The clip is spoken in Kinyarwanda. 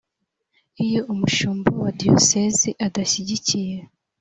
iyo umushumba wa diyoseze adashyigikiye